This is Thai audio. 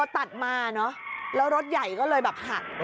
ตัดมาเนอะแล้วรถใหญ่ก็เลยแบบหัก